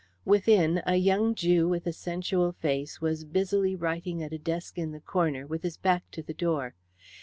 Within, a young Jew with a sensual face was busily writing at a desk in the corner, with his back to the door.